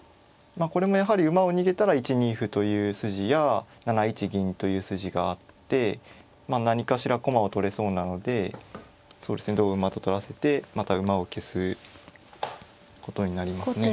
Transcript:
これもやはり馬を逃げたら１二歩という筋や７一銀という筋があってまあ何かしら駒を取れそうなのでそうですね同馬と取らせてまた馬を消すことになりますね。